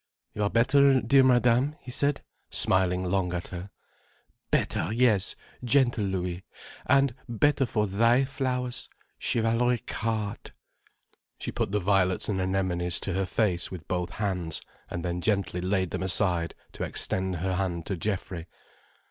"You are better, dear Madame?" he said, smiling long at her. "Better, yes, gentle Louis. And better for thy flowers, chivalric heart." She put the violets and anemones to her face with both hands, and then gently laid them aside to extend her hand to Geoffrey.